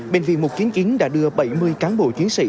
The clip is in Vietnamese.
bệnh viện một trăm chín mươi chín đã đưa bảy mươi cán bộ chiến sĩ